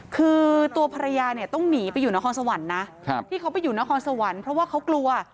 คือตัวภรรยาเนี่ยต้องหนีไปอยู่นครสวรรค์นะที่เขาไปอยู่นครสวรรค์เพราะว่าเขากลัว